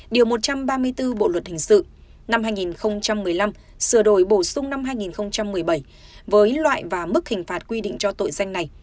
điều một trăm ba mươi bốn bộ luật hình sự năm hai nghìn một mươi năm sửa đổi bổ sung năm hai nghìn một mươi bảy với loại và mức hình phạt quy định cho tội danh này